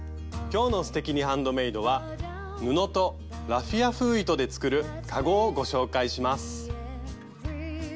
今日の「すてきにハンドメイド」は布とラフィア風糸で作る「かご」をご紹介します。